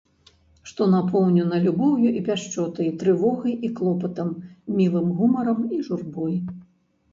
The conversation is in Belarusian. Што напоўнена любоўю і пяшчотай, трывогай і клопатам, мілым гумарам і журбой.